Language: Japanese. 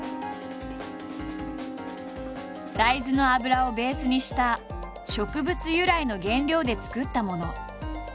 大豆の油をベースにした植物由来の原料で作ったもの。